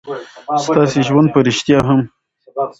ستاسې ژوند په رښتيا هم